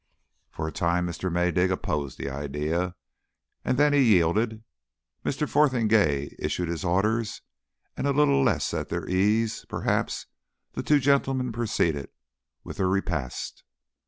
For a time Mr. Maydig opposed the idea, and then he yielded. Mr. Fotheringay issued his orders, and a little less at their ease, perhaps, the two gentlemen proceeded with their repast.